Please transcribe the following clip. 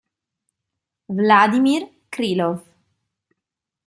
Vladimir Krylov